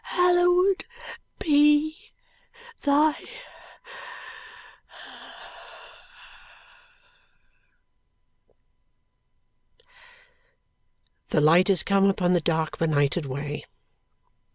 "Hallowed be thy " The light is come upon the dark benighted way.